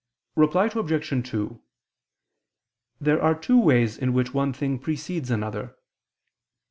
Reply Obj. 2: There are two ways in which one thing precedes another.